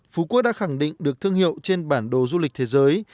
phú quốc đã khẳng định được thương hiệu trên bản đồ du lịch thế giới